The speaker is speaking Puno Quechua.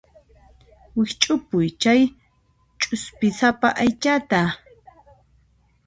Wikch'upuy chay ch'uspisapa aychata.